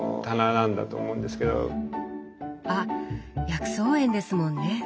あ薬草園ですもんね！